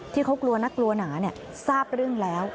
ที่เขากลัวนักกลัวหนาทราบเรื่องแล้ว